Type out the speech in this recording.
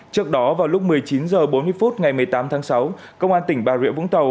trước đó vào lúc một mươi chín h bốn mươi phút ngày một mươi tám tháng sáu công an tỉnh bà rịa vũng tàu